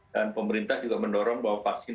dan pemerintah juga mendorong bahwa vaksinasi